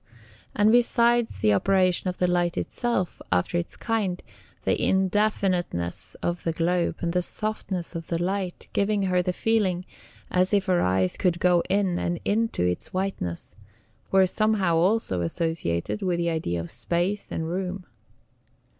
And besides the operation of the light itself after its kind, the indefiniteness of the globe, and the softness of the light, giving her the feeling as if her eyes could go in and into its whiteness, were somehow also associated with the idea of space and room.